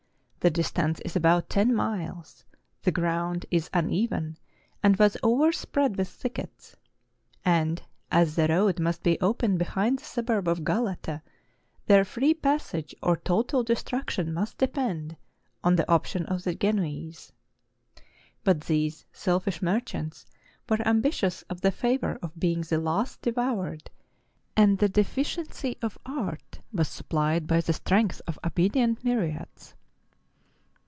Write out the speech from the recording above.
The distance is about ten 480 THE FALL OF CONSTANTINOPLE miles; the ground is uneven, and was overspread with thickets; and, as the road must be opened behind the suburb of Galata, their free passage or total destruction must depend on the option of the Genoese. But these selfish merchants were ambitious of the favor of being the last devoured ; and the deficiency of art was supplied by the strength of obedient myriads.